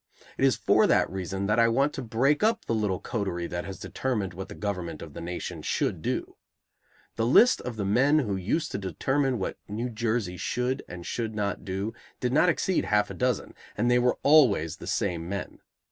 It is for that reason that I want to break up the little coterie that has determined what the government of the nation should do. The list of the men who used to determine what New Jersey should and should not do did not exceed half a dozen, and they were always the same men.